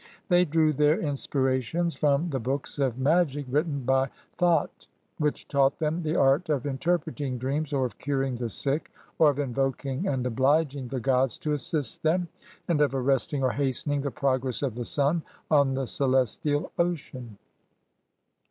They drew their inspirations from the books of magic written by Thot, which taught them the art of interpreting dreams or of curing the sick, or of invoking and obhging the gods to assist them, and of arresting or hastening the progress of the sun on the celestial ocean.